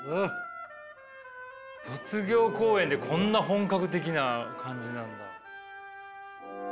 卒業公演でこんな本格的な感じなんだ。